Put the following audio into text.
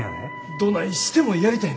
どないしてもやりたいんです。